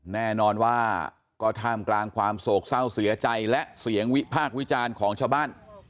แน่นอนว่าก็ท่ามกลางความโศกเศร้าเสียใจและเสียงวิพากษ์วิจารณ์ของชาวบ้าน